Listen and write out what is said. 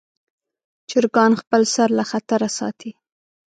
چرګان خپل سر له خطره ساتي.